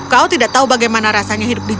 kau tidak tahu bagaimana rasanya hidup di sini